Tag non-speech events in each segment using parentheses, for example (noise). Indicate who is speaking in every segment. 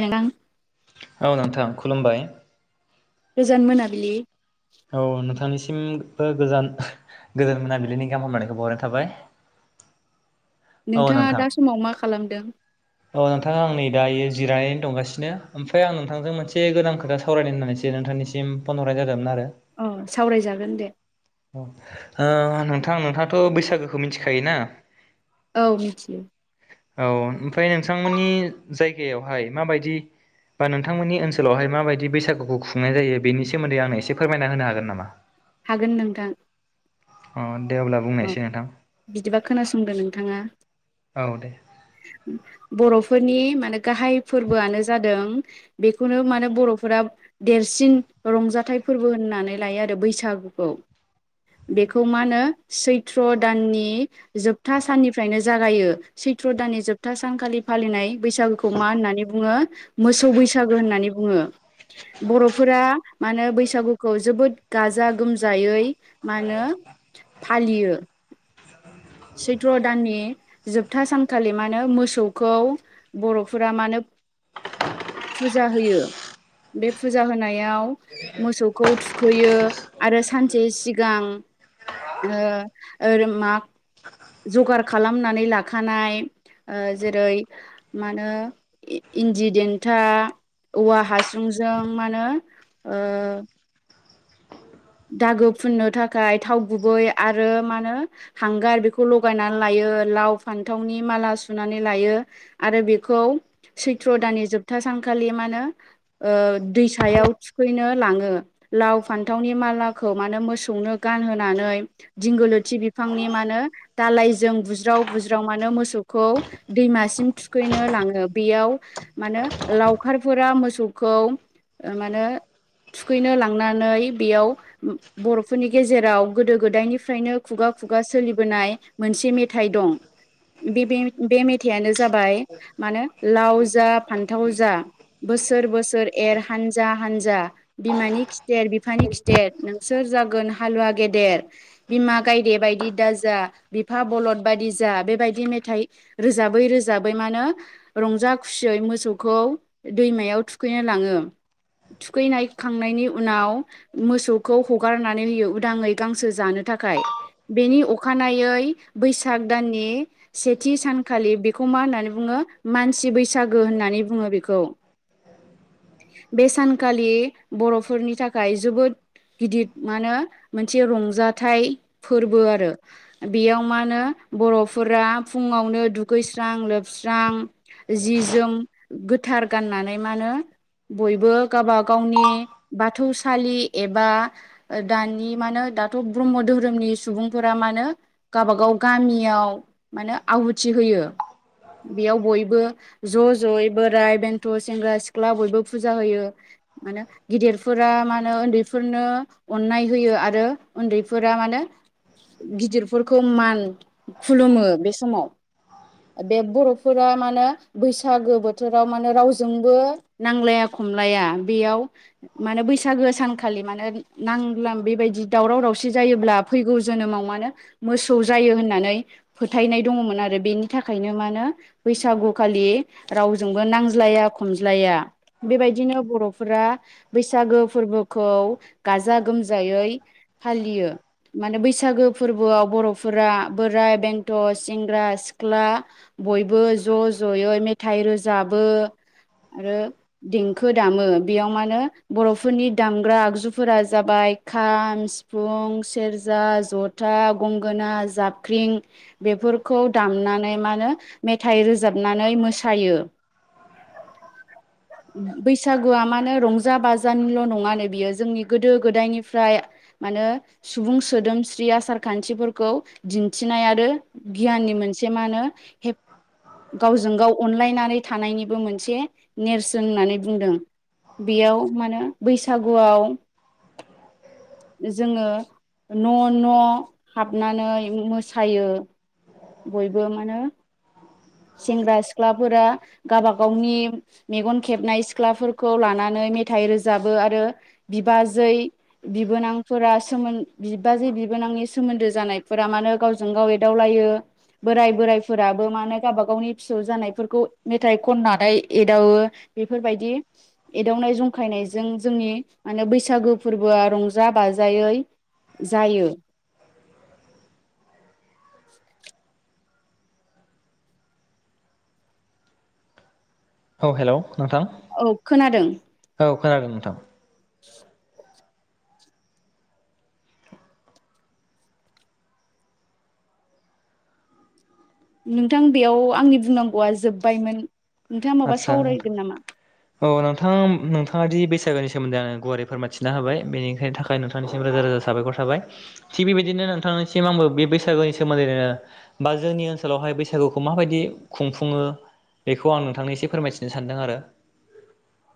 Speaker 1: नोंथां।
Speaker 2: औ नोंथां खुलुमबाय।
Speaker 1: गोजोन मोनाबिलि
Speaker 2: औ नोंथांनिसि सिमबो‌‌ गोजान‌ गोजोन मोनाबिलिनि गाहाम हामलायनायखौ बावहरनाय थाबाय। औ
Speaker 1: नोंथाङा
Speaker 2: नोंथां
Speaker 1: दा समाव मा खालामदों?
Speaker 2: औ नोंथाङा आं नै दायो जिरायना दंगासिनो ओमफ्राय आं नोंथांजों मोनसे गोदान खोथा सावरायनो होननानैसो नोंथांनिसिम फन हरनाय जादोंमोन आरो।
Speaker 1: औ सावरायजागोन दे।
Speaker 2: ‌औ ओ नोंथां नोंथाङाथ' बैसागोखौ मिथिखायोना?
Speaker 1: औ मिथियो।
Speaker 2: औ ओमफ्राय नोंथांमोननि जायगायावहाय माबायदि बा नोंथांमोननि ओनसोलावहाय माबायदि बैसागुखौ खुंनाय जायो बेनि सोमोन्दै आंनो एसे फोरमायना होनो हागोन नामा?
Speaker 1: हागोन नोंथां।
Speaker 2: अ। दे अब्ला
Speaker 1: औ
Speaker 2: बुंनायसै नोंथां
Speaker 1: बिदिबा खोनासंदो नोंथाङा।
Speaker 2: औ दे।
Speaker 1: बर'फोरनि माने गाहाय फोरबोआनो जादों बेखौनो मानो बरफोरा देरसिन रंजाथाइ फोरबो होननानै लायो आरो बैसागुखौ बेखौ मा होनो सैथ्र दाननि जोबथा साननिफ्रायनो जागायो सैथ्र दाननि जोबथा सानखालि फालिनाय बैसागुखौ मा होननानै बुङो मोसौ बैसागु होननानै बुङो बरफोरा मानो बैसागुखौ जोबोद गाजा गोमजायै मानो फालियो। सैथ्र' दाननि जोबथा सानखालि मा होनो मोसौखौ बर'फोरा मा होनो फुजा होयो बे फुजा होनायाव मोसौखौ थुखैयो आरो सानसे सिगां ओ ओ मा जगार खालामनानै लाखानाय ओ जेरै मा होनो इ-इन्दि देन्था औवा हासुंजों मा होनो ओ दागो फुननो थाखाय थाव गुबै आरो मा होनो हांगार बेखौ लगायनानै लायो लाव फान्थावनि माला सुनानै लायो आरो बेखौ सैथ्र' दाननि जोबथा सानखालि मा होनो ओ दैसायाव थुखैनो लांङो लाव फान्थावनि माला लाखौ मानो मोसौनो गानहोनानै दिंगोलोथि बिफांनि मानो दालायजों बुज्राव बुज्राव मानो मोसौखौ दैमासिम थुखैनो लांङो बेयाव मानो लावखारफोरा मोसौखौ ओ मानो थुखैनो लांनानै बेयाव उम बर'फोरनि गेजेराव गोदो गोदायनिफ्रायनो खुगा खुगा सोलिबोनाय मोनसे मेथाइ दं बे-बे-बे मेथाइयानो जाबाय मानो लाव जा फान्थाव जा बोसोर बोसोर एर हानजा हानजा बिमानि खिथेर बिफानि खिथेर नोंसोर जागोन हालुवा गेदेर बिमा गायदे बायदि दा जा बिफा बलद बायदि जा बेबायदि मेथाइ रोजाबै रोजाबै मानो रंजा खुसियै मोसौखौ दैमायाव थुखैनो लाङो थुखैनाय खांनायनि उनाव मोसौ खौ हगारनानै होयो उदांङै गांसो जानो थाखाय बेनि अखानायै बैसाग दाननि सेथि सानखालि बेखौ मा होननानै बुंङो मानसि बैसागो होननानै बुंङो बेखौ बे सानखालि बर'फोरनि थाखाय जोबोद गिदिद मानो मोनसे रंजाथाइ फोरबो आरो बेयाव मानो बर'फोरा फुंङावनो दुगैस्रां लोबस्रां जि जोम गोथार गाननानै मानो बयबो गाबा गावनि बाथौसालि एबा दानि मानो दाथ' ब्रह्म धोरोमनि सुबुंफोरा मानो गाबा गाव गामियाव मा होनो आहुथि होयो बेयाव बयबो ज' जयै बोराय बेन्थ' सेंग्रा सिख्ला बयबो फुजा होयो मानो गिदिरफोरा मानो उन्दै फोरनो अननाय होयो आरो उन्दैफोरा मानो गिदिरफोरखौ मान खुलुमो बे समाव बे बर'फोरा मानो बैसागो बोथोराव मानो रावजोंबो नांलाया खमलाया बेयाव मानो बैसागो सानखा खालि मानो नांलाम बेबायदि दावराव दावसि जायोब्ला फैगौ जोनोमाव मानो मोसौ जायो होननानै फोथायनाय दंङमोन आरो बेनि थाखायनो मानो बैसागु खालि रावजोंबो नांज्लाया खमज्लाया। बेबायदिनो बर'फोरा बैसागो फोरबो खौ गाजा गोमजायै फालियो माने बैसागो फोरबोआव बर'फोरा बोराइ बेंथ' सेंग्रा सिख्ला बयबो ज' ज'यै मेथाइ रोजाबो आरो देंखो दामो बेयाव मानो बर'फोरनि दामग्रा आगजुफोरा जाबाय खाम सिफुं सेरजा जथा गंगोना जाबख्रिं बेफोरखौ दामनानै मानो मेथाइ रोजाबनानै मोसायो। बैसागुआ मानो रंजा बाजानिल' नङा नै बियो जोंनि गोदो गोदायनिफ्राय मानो सुबुं सोदोमस्रि आसार खान्थिफोरखौ दिन्थिनाय आरो गियाननि मोनसे मानो हेब गावजों गाव अनलायनानै थानायनिबो मोनसे नेरसोन होननानै बुंदों बेयाव मानो बैस सागुआव जोंङो न' न' हाबनानै मोसायो। बयबो मानो सेंग्रा सिख्लाफोरा गाबा गावनि मेगन खेबनाय सिख्लाफोरखौ लानानै मेथाइ रोजाबो आरो बिबाजै बिबोनांफोरा सोमोन बिबाजै बिबोनांनि सोमोन्दो जानायफोरा मानोे गावजों गाव एदावलायो बोराय बोराइफोराबो मानोे गावबा गावनि फिसौ जानायफोरखौ मेथाइ खननानै एदावो बेफोरबायदि एदावनाय जंखायनायजों जोंनि मा होनो बैसागो फोरबोआ रंजा बाजायै जायो।
Speaker 2: औ हेल' नोंथां।
Speaker 1: औ खोनादों
Speaker 2: औ खोनादों नोंथां
Speaker 1: नोंथां बेयाव आंनि बुंनांगौआ जोब्बायमोन नोंथाङा माबा
Speaker 2: आदसा नोंथां
Speaker 1: सावरायगोन नामा
Speaker 2: औ नोंथां नोंथाङा दि बैसागोनि सोमोन्दै आं गुवारै फोरमाथिना हाबाय बेनिखायनो थाखाय नोंथांनिसिम रोजा रोजा साबायखर थाबाय थिग बेबायदिनो नोंथांनिसिम आंबो बे बैसागोनि सोमोन्दैनो बा जोंनि ओनसोलावहाय बैसागुखौ माबायदि खुंफुङो बेखौ आं नोंथांनो एसे फोरमायथिनो सान्दों आरो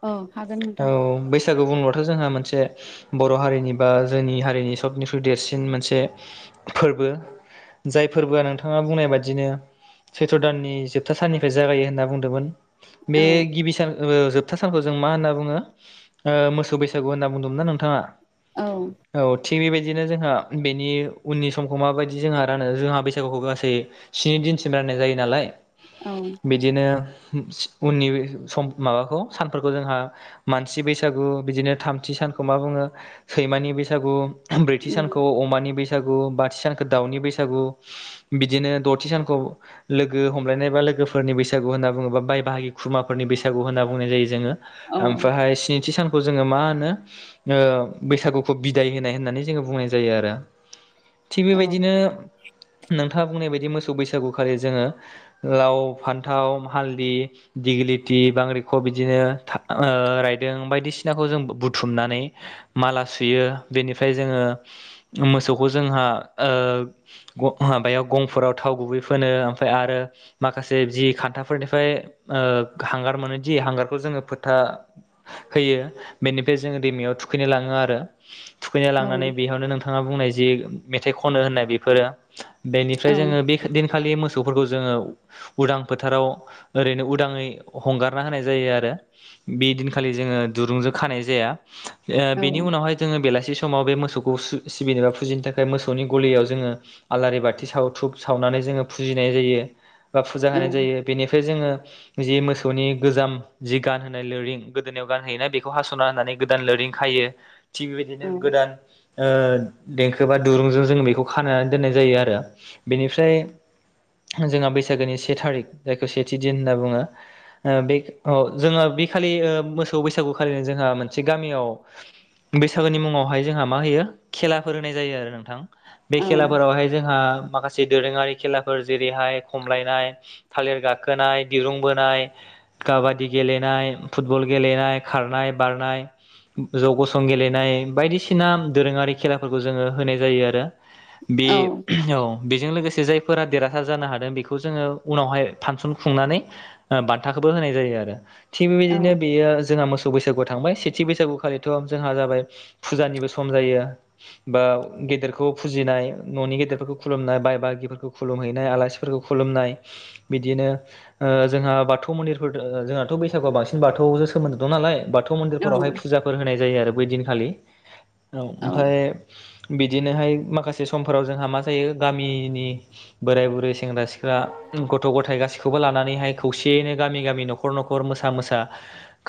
Speaker 1: औ हागोन नोंथां
Speaker 2: औ बैसागु बुंब्लाथ' जोंहा मोनसे मोनसे बर' हारिनि बा जोंनि हारिनि सबनिख्रुइ देरसिन मोनसे फोरबो जाय फोरबोआ नोंथाङा बुंनाय बादिनो सैथ्र' दाननि जोबथा साननिफ्राय जागायो होनना बुंदोंमोन बे
Speaker 1: औ
Speaker 2: गिबि सान जोबथा सानखौ जों मा होनना बुङो मोसौ बैसागु होनना बुंदों ना नोंथाङा
Speaker 1: औ
Speaker 2: औ थिग बेबायदिनो जोंहा बेनि उननि समखौ माबायदि जोंहा रानो जोंहा बैसागुखौ गासै स्नि दिनसिम राननाय जायो नालाय
Speaker 1: औ
Speaker 2: बिदिनो उननि सम माबाखौ सानफोरखौ जोंहा मानसि बैसागु बिदिनो थामथि सानखौ मा बुङो सैमानि बैसागु ब्रैथि सानखौ
Speaker 1: उम
Speaker 2: अमानि बैसागु बाथि सानखौ दाउनि बैसागु बिदिनो दथि सानखौ लोगो हमलायनाय बा लोगोफोरनि बैसागु होनना बुङोबा बाय बाहागि खुरुमाफोरनि बैसागु होनना बुंनाय जायो जोङो
Speaker 1: औ
Speaker 2: ओमफ्राहाय स्निथि सान खौ जोङो मा होनो बैसागुखौ बिदाय होनाय होननानै जोङो बुंनाय जायो आरो थिग बेबायदिनो नोंथाङा बुंनाय बायदि बि मोसौ बैसागु खालि जोङो लाव फान्थाव हालदैनि दिग्लिथि बांग्रिख बिदिनो था ओ रायदों बायदिसिनाखौ जों बु बुथुमनानै माला सुयो बेनिफ्राय जोङो मोसौखौ जोंहा ओ ग माबायाव गंफोराव थाव गुबै फोनो ओमफ्राय आरो माखासे जि खान्थाफोरनिफ्राय ओ हांगार मोनोदि हांगारखौ जोङो फोथा होयो बेनिफ्राय जोङो दैमायाव थुखैनो लाङो आरो थुखैनाय
Speaker 1: औ
Speaker 2: लांनानै बेयावनो नोंथाङा बुंनाय जे जि मेथाइ खनो होननाय बेफोरो बेनिफ्राय
Speaker 1: औ
Speaker 2: जोङो बे दिनखालि मोथौ फोरफोरखौ जोङो उदां फोथाराव ओरैनो उदाङै हंगारना होनाय जायो आरो बे दिनखालि जोङो दुरुंजों खानाय जाया ओ
Speaker 1: औ
Speaker 2: बेनि उनावहाय जोङो बेलासि स समाव बे मोसौखौ सो सिबिनोबा फुजिनो थाखाय मोसौनि गलियाव जोङो आलारि बाथि साव थुब सावनानै जोङो फुजिनाय जायो बा फुजा होनाय जायो बेनि बे जोङो जि मोसौनि गोजाम जि गान होनाय लोरिं गोदोनायाव गान होयोना बेखौ हास'ना होननानै गोदान लोरिं खायो थि
Speaker 1: औ
Speaker 2: बेबायदिनो गोदान ओ देंखो बा दुरुंजों जोङो बेखौ खाना दोननाय जायो आरो बेनिफ्राय जोंहा बैसागोनि से थारिक जाय खौ सेथि दिन होनना बुङो ओ बे खि औ जोङो बे खालि ओ मोसौ बैसागु खालिनो जोंहा मोनसे गामियाव बैसागोनि मुङावहाय जोंहा मा होयो खेलाफोर होनाय जायो आरो नोंथां बे
Speaker 1: औ
Speaker 2: खेलाफोरावहाय जोंहा माखासे जि दोरोङारि खेलाफोर जेरैहाय खमलायनाय थालिर गा खोनाय दिरुं बोनाय काबादि गेलेनाय फुटबल गेलेनाय खारनाय बारनाय जौ गसं गेलेनाय बायदिसिना दोरोङारि खेलाफोरखौ जोङो होनाय जायो आरो
Speaker 1: औ
Speaker 2: बे औ बेजों लोगोसे थो जायफोरा देरहासार जानो हादों बेखौ जोङो उनावहाय फांसन खुंनानै बान्थाखोबो होनाय जायो आरो थिग बेबायदिनो बेयो जोंहा मोसौ बैसागुआव थांबाय सेथि बैसागुखालिथ' जोंहा जाबाय फुजानिबो सम जायो बा गेदेरखौ फुजिनाय न'नि गेदेरफोरखौ खुलुमनाय बाय बागिफोरखौ खुलुमहैनाय आलासिफोरखौ खुलुमनाय बिदिनो ओ जोंहा बाथौ मन्दिरफोर दो ओ जोंहाथ' बैसागुआ बांसिन बाथौजों सोमोन्दो दं नालाय बाथौ थौ मन्दिरफोरावहाय फुजाफोर होनाय जायो आरो बै दिनखालि (inaudible) औ ओमफाय बिदिनोहाय माखासे समफोराव जोंहा मा जायो गामिनि बोराय बुरै सेंग्रा सिख्ला गथ' गथ' गथाय गासैखौबो लानानैहाय खौसेयैनो गामि गामि न'खर न'खर मोसा मोसा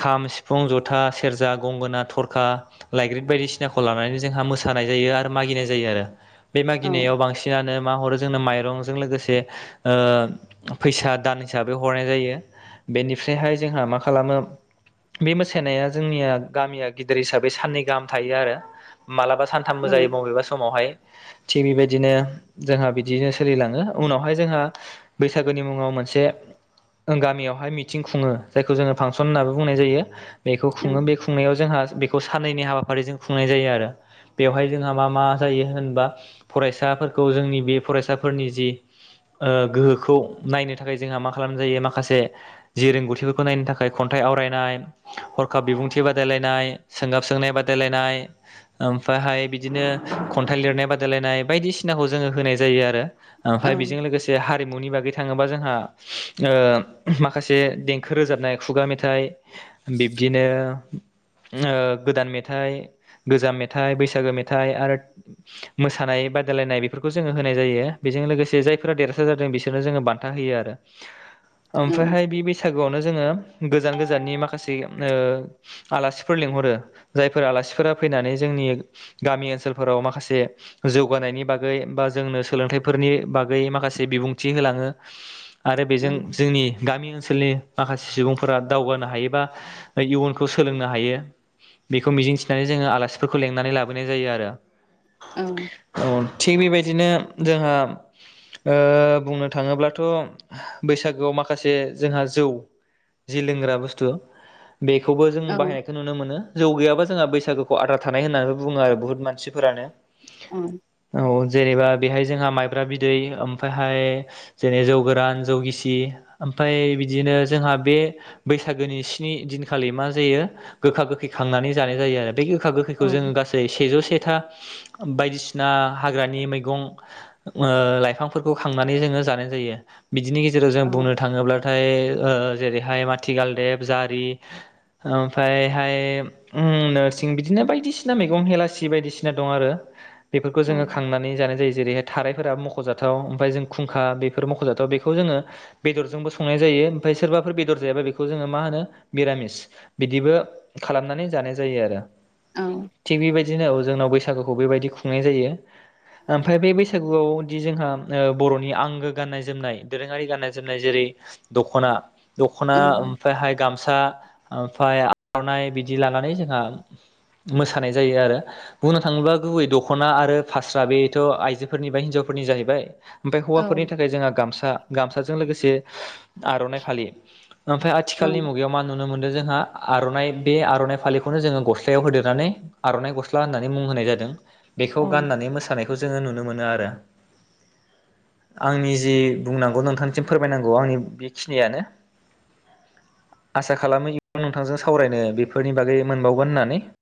Speaker 2: खाम सिफुं जथा सेरजा गंगोना थरखा लाइग्रिद बायदिसिनाखौ लानानै जोंहा मोसानाय जायो आरो मागिनाय जायो आरो बे मागिनायाव बांसिनानो मा हरो जोंनो माइरंजों लोगोसे ओ फैसा दान हिसाबै हरनाय जायो बेनिफ्रायहाय जोंहा मा खालामो बे मोसानाया जोंनिया गामिया गिदिर हिसाबै साननै गाहाम थायो आरो मालाबा सानथामबो जायोै बबेबा समावहाय थिग बेबायदिनो जोंहा बिदिनो सोलिलाङो उनावहाय जोंहा बैसागोनि मुङाव मोनसे ओं गामियावहाय मिथिं खुङो जायखौ जोङो फांसन होननाबो बुंनाय जायो बेखौ खुङो बे खुंनायाव जोंहा बेखौ साननैनि हाबाफारिजों खुंनाय जायो आरो बेवहाय जोंहा मा मा जायो होनबा फरायसाफोरखौ जोंनि बे फरायसाफोरनि जि ओ गोहो बेखौ नायनो थाखाय जोंहा मा खालामनाय जायो माखासे जि रोंगौथिफोरखौ नायनो थाखाय खन्थाइ आवरायनाय हरखाब बिबुंथि बादायलायनाय सोंगाब सोंनाय बादायलायनाय ओमफायहाय बिदिनो खन्थाइ लिरनाय बादायलायनाय बायदिसिनाखौ जोङो होनाय जायो आरो ओमफाय बेजों लोगोसे हा हारिमुनि बागै थाङोबा जोंहा ओ माखासे देंखो रोजाबनाय खुगा मेथाइ बिब्दिनो ओ गोदान मेथाइ गोजाम मेथाइ बैसागो मेथाइ आरो मोसानाय बादायलायनाय बेफोरखौ जोङो होनाय जायो बेजों लोगोसे जायफोरा देर देरहासार जादों बिसोरनो जोङो बान्था होयो आरो ओमफ्रायहाय बे बैसागु गुआवनो जोङो गोजान गोजाननि माखासे ओ आलासिफोर लिंहरो जायफोर आलासिफोरा फैनानै जोंनि गामि ओनसोलफोराव माखासे जौगानायनि बागै बा जोंनो सोलोंथाइफोरनि बागै माखासे से बिबुंथि होलाङो आरो बेजों जोंनि गामि ओनसोल ओनसोलनि माखासे सुबुंफोरा दावगानो हायो बा इयुनखौ सोलोंनो हायो बेखौ मिजिंथिनानै जोङो आलासिफोरखौ लेंंनानै लाबोनाय जायो आरो
Speaker 1: औ
Speaker 2: औ थिग बेबायदिनो जोंहा ओ बुंनो थाङोब्लाथ बैसागोआव माखासे जोंहा जौ जि लोंग्रा बुस्थु बेखौबो जों बाहायनायखौ नुनो मोनो जौ गैयाबा जों जोंहा बैसागुखौ आद्रा थानाय होननानै बुङो आरो बुहुद मानसिफोरानो औ जेनेबा बेहाय जोंहा माइब्रा बिदै ओम फायहाय जेरै जौ गोरान जौ गिसि ओमफाय बिदिनो जोंहा बे बैसागोनि स्नि दिनखालि मा जायो गोखा गोखै खांनानै जानाय जायो आरो बे गोखा गोखैखौ जों गासै सेजौ से था बायदिसिना हाग्रानि मैगं ओ लाइफां फोरखौ खांनानै जोङो जानाय जायो बिदिनि गेजेराव जों बुंनो थाङोब्लाथाय ओ जेरैहाय माथिगालदेब जारि ओमफ्रायहाय नोरसिं बिदिनो बायदिसिना मैगं हेलासि बायदिसिना दं आरो बेफोरखौ जोङो खांनानै जानाय जायो जेरैहाय थाराय फोरा मख'जाथ जाथाव ओमफाय जों खुंखा बेफोर मख'जाथाव बेखौ जोङो बेदरजोंबो संनाय जायो ओमफाय सोरबाफोर बेदर जायाबा बेखौ जोङो मा होनो मिरामिस बिदिबो खालामनानै जानाय जायो आरो। थिग बिबायदि बिदिनो जोंनाव बैसागुखौ बेबायदि खुंनाय जायो। ओमफाय बे बैसागु (unintelligible) जोंहा ओ बर'नि आंगो गाननाय जोमनाय दोरोङारि गाननाय जोमनाय जेरै दख'ना दखना ओमफायहाय गामसा ओमफाय आरनाइ बिदि बिदि लानानै जोंहा मोसानाय जायो आरो बुंनो थाङोब्ला गुबै दख'ना आरो फास्रा बेथ' आइजोफोरनि बा हिनजाव फोरनि जाहैबाय ओमफ्राय हौवाफोरनि थाखाय जोंहा गामसा गामसाजों लोगोसे आर'नाइ फालि ओमफाय आथिखालनि
Speaker 1: औ
Speaker 2: मुगायाव मा नु नुनो मोन्दों जोंहा आर'नाइ बे आर'नाइ फालिखौनो जोङो गस्लायाव होदेरनानै आर'नाइ गस्ला होननानै मुं होनाय जादों।
Speaker 1: औ
Speaker 2: बेखौ
Speaker 1: औ
Speaker 2: गाननानै मोसानाय बेखौ जोङो नुनो मोनो आरो। आंनि जि बुंनांगौ नोंथांनिसिम फोरमायनांगौ आंनि बेखिनियानो आसा खालामो इयुन नोंथांजों सावरायनो बेफोरनि बागै मोनबावगोन होननानै